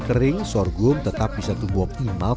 kering sorghum tetap bisa tumbuh optimal